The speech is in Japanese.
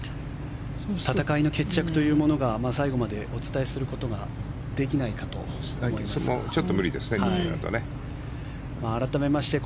戦いの決着というものが最後までお伝えすることができないかと思いますが。